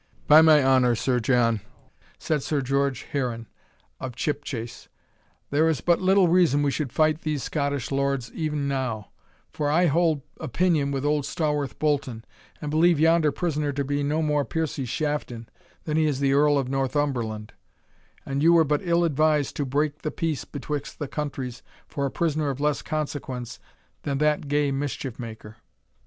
"By my honour, Sir John," said Sir George Heron of Chipchase, "there is but little reason we should fight these Scottish Lords e'en now, for I hold opinion with old Stawarth Bolton, and believe yonder prisoner to be no more Piercie Shafton than he is the Earl of Northumberland; and you were but ill advised to break the peace betwixt the countries for a prisoner of less consequence than that gay mischief maker."